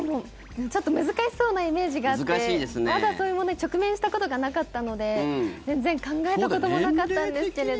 ちょっと難しそうなイメージがあってまだそういうものに直面したことがなかったので全然考えたこともなかったんですけれど。